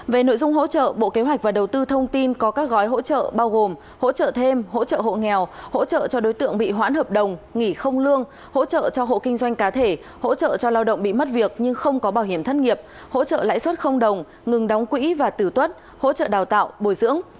về nội dung hỗ trợ bộ kế hoạch và đầu tư thông tin có các gói hỗ trợ bao gồm hỗ trợ thêm hỗ trợ hộ nghèo hỗ trợ cho đối tượng bị hoãn hợp đồng nghỉ không lương hỗ trợ cho hộ kinh doanh cá thể hỗ trợ cho lao động bị mất việc nhưng không có bảo hiểm thất nghiệp hỗ trợ lãi suất đồng ngừng đóng quỹ và tử tuất hỗ trợ đào tạo bồi dưỡng